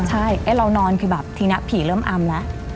ใช่เรานอนคือแบบทีนี้ผีเริ่มอำแล้ว